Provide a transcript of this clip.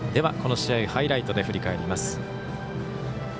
この試合、ハイライトで振り返ります。